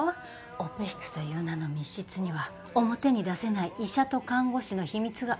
オペ室という名の密室には表に出せない医者と看護師の秘密がうごめいてるの。